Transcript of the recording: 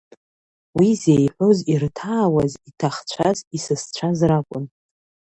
Уи зеиҳәоз ирҭаауаз иҭахцәаз, исасцәаз ракәын.